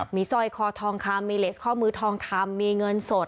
มีสร้อยคอทองคำมีเลสข้อมือทองคำมีเงินสด